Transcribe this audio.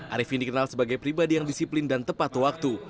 arifin dikenal sebagai pribadi yang disiplin dan tepat waktu